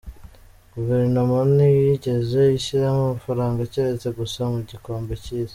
Guverinoma ntiyigeze ishyiramo amafaranga keretse gusa mu gikombe cy’isi.